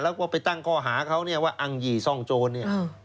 แล้วก็ไปตั้งข้อหาเขาเนี่ยว่าอังหยี่ซ่องโจรเนี่ย